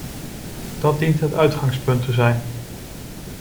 Dat dient het uitgangspunt te zijn.